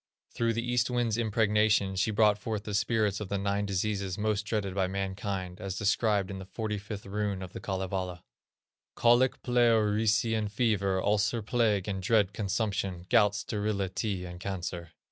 Through the East wind's impregnation she brought forth the spirits of the nine diseases most dreaded by mankind, as described in the 45th Rune of the Kalevala: "Colic, Pleurisy, and Fever, Ulcer, Plague, and dread Consumption, Gout, Sterility, and Cancer."